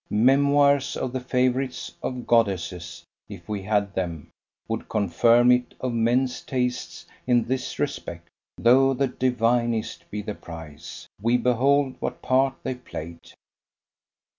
Memoirs of the favourites of Goddesses, if we had them, would confirm it of men's tastes in this respect, though the divinest be the prize. We behold what part they played.